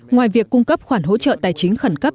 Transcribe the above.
ngoài việc cung cấp khoản hỗ trợ tài chính khẩn cấp